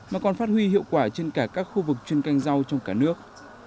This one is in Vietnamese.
mà còn phát huy hiệu quả trên cả các khu vực chuyên canh rau trong cả nước